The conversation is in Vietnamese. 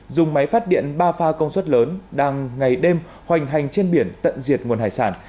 dùng máy phát điện ba pha công suất lớn đang ngày đêm hoành hành trên biển tận diệt nguồn hải sản